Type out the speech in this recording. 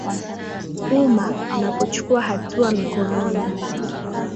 umma unapochukua hatua mikononi